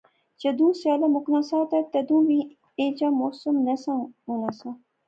جدوں سیالا مُکنا سا تہ تد وی ایہھے جیا کی موسم ہونا سا